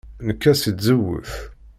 Nekka seg tzewwut.